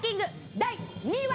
第２位は。